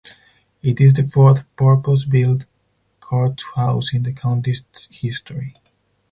It is the fourth purpose-built court house in the county's history.